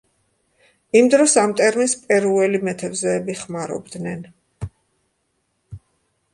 იმ დროს ამ ტერმინს პერუელი მეთევზეები ხმარობდნენ.